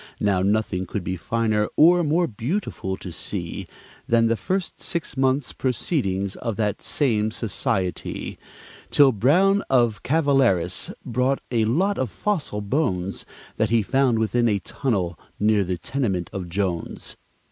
Now, nothing could be finer or more beautiful to see Than the first six months' proceedings of that same society, Till Brown of Calaveras brought a lot of fossil bones That he found within a tunnel near the tenement of Jones.